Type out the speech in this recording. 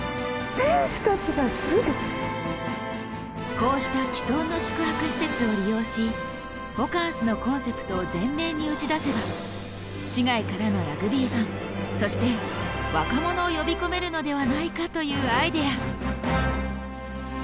こうした既存の宿泊施設を利用しホカンスのコンセプトを前面に打ち出せば市外からのラグビーファンそして若者を呼び込めるのではないかというアイデア。